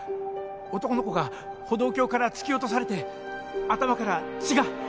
男の子が歩道橋から突き落とされて頭から血が！